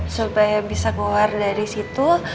supaya bisa keluar dari situ